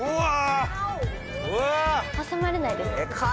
挟まれないですか？